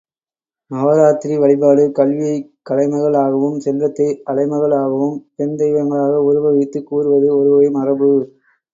நவராத்திரி வழிபாடு கல்வியைக் கலைமகள் ஆகவும், செல்வத்தை அலைமகள் ஆகவும் பெண் தெய்வங்களாக உருவகித்துக் கூறுவது ஒருவகை மரபு.